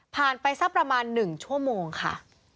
ไปสักประมาณ๑ชั่วโมงค่ะ